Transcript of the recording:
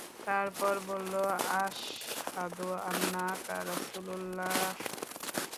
তারপর বলল, আশহাদু আন্নাকা রাসূলুল্লাহ।